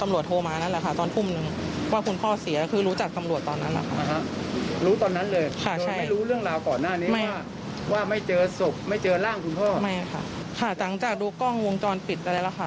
หลังจากดูกล้องวงจรปิดอะไรแล้วค่ะ